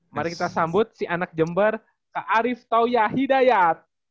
mari kita sambut si anak jember ke arief tauya hidayat